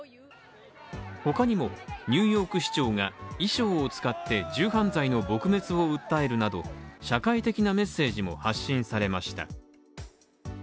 他にもニューヨーク市長が衣装を使って銃犯罪の撲滅を訴えるなど、社会的なメッセージも発信されました。